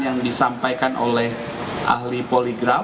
yang disampaikan oleh ahli poligraf